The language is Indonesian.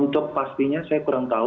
untuk pastinya saya kurang tahu